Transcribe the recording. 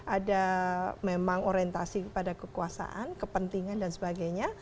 ada memang orientasi kepada kekuasaan kepentingan dan sebagainya